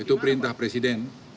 itu perintah presiden